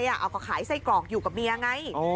เค้าขายไซ่กรอกอยู่กับเมียไง